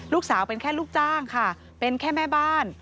ลูกสาวเป็นแค่ลูกจ้างค่ะเป็นแค่แม่บ้าน